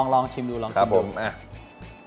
ลองชิมดูลองกินดู